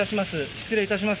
失礼いたします。